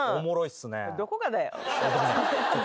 どこがだよ？